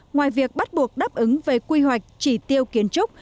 ngoài việc bắt buộc đáp ứng về quy hoạch chỉ tiêu kiến trúc